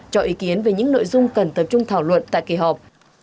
cho ý kiến về những nội dung cần tập trung thảo luận tại kỳ họp